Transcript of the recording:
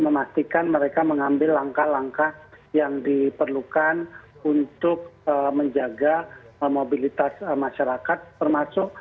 memastikan mereka mengambil langkah langkah yang diperlukan untuk menjaga mobilitas masyarakat termasuk